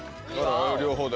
両方で。